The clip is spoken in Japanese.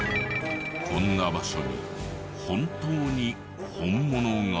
こんな場所に本当に本物が？